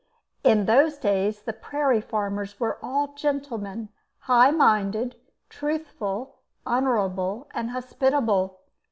In those days the prairie farmers were all gentlemen, high minded, truthful, honourable, and hospitable.